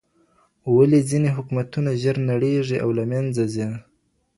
ولې ځينې حکومتونه ژر نړېږي او له منځه ځي؟